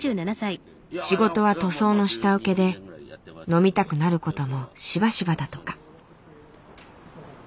仕事は塗装の下請けで飲みたくなることもしばしばだとか。